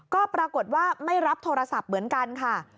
ก็ปรากฏว่าไม่รับโทรศัพท์เหมือนกันค่ะ